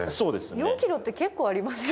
４ｋｇって結構ありますよ。